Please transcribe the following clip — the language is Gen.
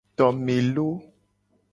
Tome lo.